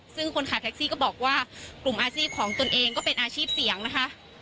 ซึ่งคนขับแท็กซี่ก็บอกว่ากลุ่มอาชีพของตนเองก็เป็นอาชีพเสี่ยงนะคะ